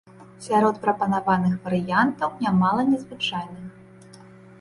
Сярод прапанаваных варыянтаў нямала незвычайных.